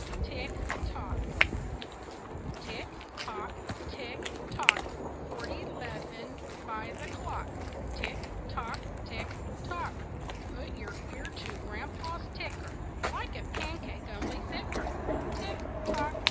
TICK, TOCK Tick, tock! Tick, tock! Forty 'leven by the clock. Tick, tock! Tick, tock! Put your ear to Grandpa's ticker, Like a pancake, only thicker. Tick, tock!